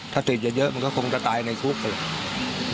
ถ้าติดเยอะมันก็คงจะตายในคุกนั่นแหละ